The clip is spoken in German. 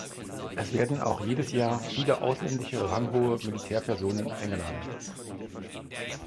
Es werden auch jedes Jahr viele ausländische ranghohe Militärpersonen eingeladen.